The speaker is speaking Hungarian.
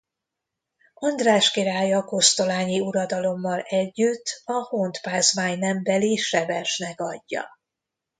András király a kosztolányi uradalommal együtt a Hont-Pázmány nembeli Sebesnek adja.